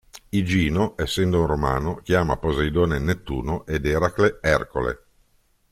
Igino, essendo un romano, chiama Poseidone Nettuno ed Eracle Ercole.